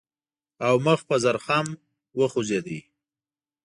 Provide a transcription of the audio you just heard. او مخ په زرخم وخوځېد.